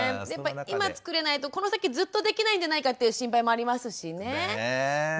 今つくれないとこの先ずっとできないんじゃないかっていう心配もありますしね。